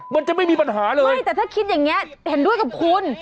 มันจะไม่มีปัญหาเลยไม่แต่ถ้าคิดอย่างนี้เห็นด้วยกับคุณ